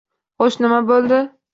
- Xo'sh nima bo'ldi?